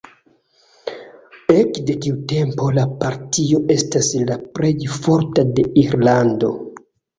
Ekde tiu tempo la partio estas la plej forta de Irlando.